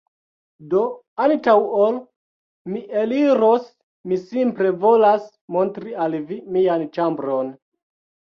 Do, antaŭ ol mi eliros, mi simple volas montri al vi mian ĉambron